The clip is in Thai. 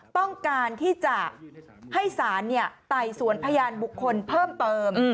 ต้องการที่จะให้สารไต่สวนพยานบุคคลเพิ่มเติม